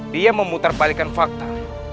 dia memutarbalikan fakta